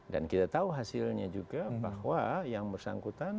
dan kita tahu hasilnya juga bahwa yang bersangkutan